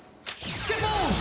スッケボー！